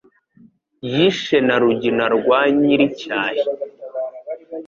Yishe na Rugina rwa nyir'icyahi.